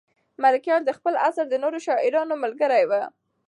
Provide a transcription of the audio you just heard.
ملکیار د خپل عصر د نورو شاعرانو ملګری و.